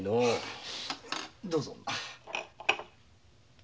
さどうぞ。